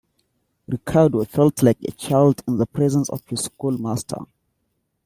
Ricardo felt like a child in the presence of his schoolmaster.